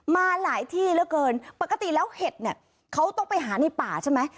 มาหลายที่เหลือเกินปกติแล้วเห็ดเนี่ยเขาต้องไปหาในป่าใช่ไหม